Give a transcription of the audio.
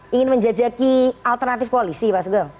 ingin menjajaki alternatif koalisi pak sugeng